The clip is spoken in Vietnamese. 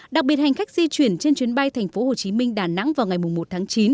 đặc biệt hành khách di chuyển trên chuyến bay tp hcm đà nẵng vào ngày một tháng chín